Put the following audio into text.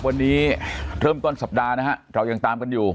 วันนี้เริ่มต้นสัปดาห์นะฮะเรายังตามกันอยู่